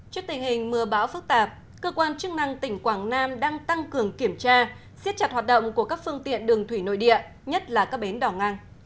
trước tình hình mưa bão phức tạp cơ quan chức năng tỉnh quảng nam đang tăng cường kiểm tra siết chặt hoạt động của các phương tiện đường thủy nội địa nhất là các bến đỏ ngang